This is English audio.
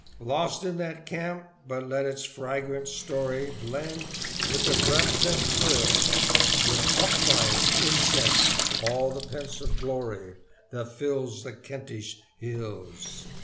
Lost is that camp, but let its fragrant story Blend with the breath that thrills With hopvines' incense all the pensive glory That fills the Kentish hills.